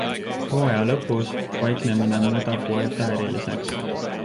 Hooaja lõpus paiknemine muudab Vuelta eriliseks.